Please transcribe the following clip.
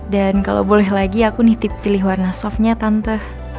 dan kalau boleh lagi aku nitip pilih warna softnya tante